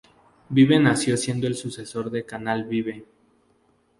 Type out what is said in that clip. Vive nació siendo el sucesor del canal Vive!